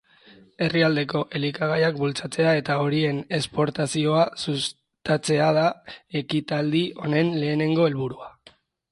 Herrialdeko elikagaiak bultzatzea eta horien esportazioa sustatzea da ekitaldi honen lehenengo helburua.